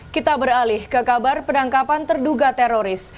kita beralih ke kabar penangkapan terduga teroris